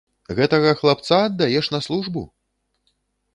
Гэтага хлапца аддаеш на службу?